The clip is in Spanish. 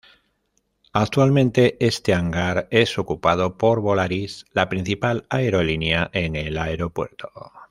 Actualmente este hangar es ocupado por Volaris la principal aerolínea en el aeropuerto.